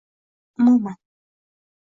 umuman